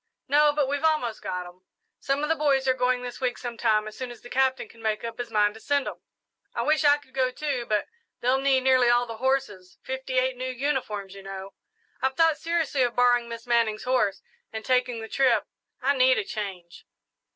"No, but we've almost got 'em. Some of the boys are going this week sometime, as soon as the Captain can make up his mind to send 'em. I wish I could go, too, but they'll need nearly all the horses fifty eight new uniforms, you know. I've thought seriously of borrowing Miss Manning's horse and taking the trip I need a change."